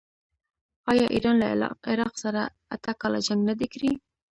آیا ایران له عراق سره اته کاله جنګ نه دی کړی؟